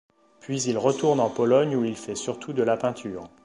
Puis il retourne en Pologne où il fait surtout de la peinture.